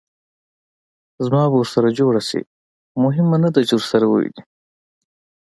زما به ورسره جوړه شي؟ مهمه نه ده چې ورسره ووینې.